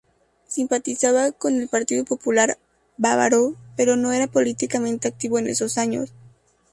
Simpatizaba con el Partido Popular Bávaro, pero no era políticamente activo en esos años.